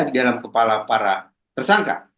di dalam kepala para tersangka